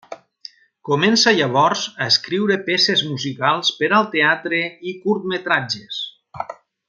Comença llavors a escriure peces musicals per al teatre i curtmetratges.